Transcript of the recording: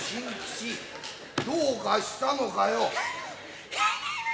師匠がどうかしたのかよ。